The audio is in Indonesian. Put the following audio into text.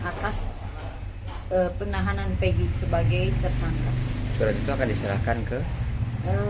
atas penahanan pegi sebagai tersangka surat itu akan diserahkan ke